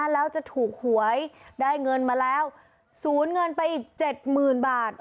แล้วจะถูกหวยได้เงินมาแล้วศูนย์เงินไปอีกเจ็ดหมื่นบาท